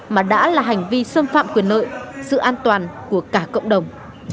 mà đã là hành vi xâm phạm quyền lợi sự an toàn của cả cộng đồng